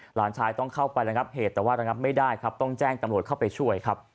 หลานชายต้องเข้าไประงับเหตุแต่ว่าระงับไม่ได้ครับต้องแจ้งตำรวจเข้าไปช่วยครับ